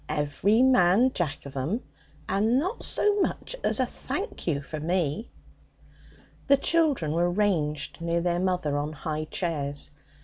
'Every man jack of 'em, and not so much as a thank you for me!' The children were ranged near their mother on high chairs.